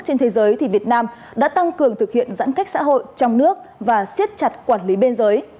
trên thế giới thì việt nam đã tăng cường thực hiện giãn cách xã hội trong nước và siết chặt quản lý biên giới